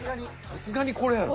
さすがにこれやろ。